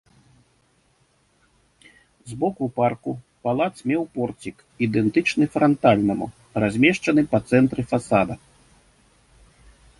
З боку парку палац меў порцік, ідэнтычны франтальнаму, размешчаны па цэнтры фасада.